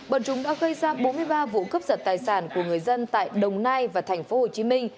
bọn chúng đã gây ra bốn mươi ba vụ cướp giật tài sản của người dân tại đồng nai và tp hcm